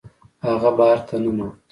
هغه بار ته ننوت.